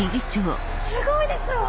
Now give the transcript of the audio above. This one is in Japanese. すごいですわ！